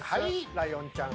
ライオンちゃん